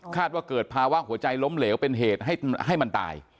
ว่าเกิดภาวะหัวใจล้มเหลวเป็นเหตุให้มันตาย